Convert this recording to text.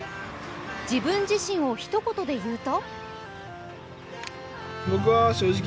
自分自身をひと言で言うと？